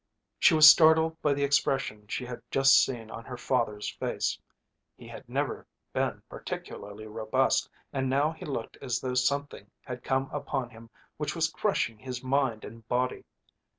She was startled by the expression she had just seen on her father's face. He had never been particularly robust and now he looked as though something had come upon him which was crushing his mind and body.